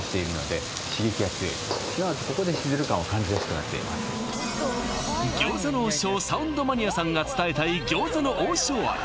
これがすなわち餃子の王将サウンドマニアさんが伝えたい餃子の王将愛